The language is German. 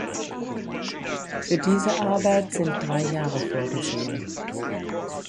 Für diese Arbeit sind drei Jahre vorgesehen.